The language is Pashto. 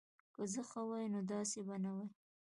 که زه ښه وای نو داسی به نه وای